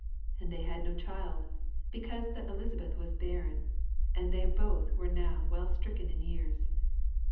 7 And they had no child, because that Elisabeth was barren, and they, both were now well stricken in years.